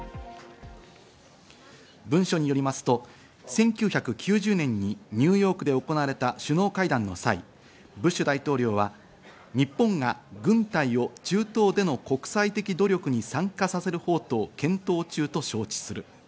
文書によりますと１９９０年にニューヨークで行われた首脳会談の際、ブッシュ大統領は日本が軍隊を中東での国際的努力に参加させる方途を検討中と承知する。